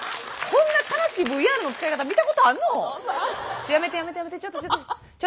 ちょやめてやめてやめてちょっとちょっと。